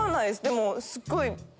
でもすごい。